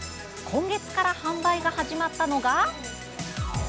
今月から販売が始まったのが。